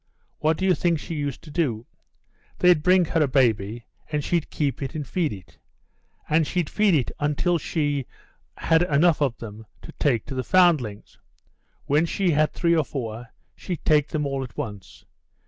What do you think she used to do? They'd bring her a baby, and she'd keep it and feed it; and she'd feed it until she had enough of them to take to the Foundlings'. When she had three or four, she'd take them all at once.